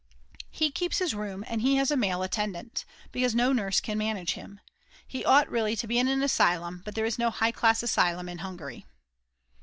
He keeps his room, and he has a male attendant, because no nurse can manage him. He ought really to be in an asylum but there is no high class asylum in Hungary.